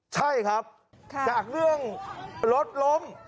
ใช่ครับจากเรื่องรถล้ม